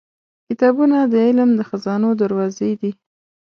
• کتابونه د علم د خزانو دروازې دي.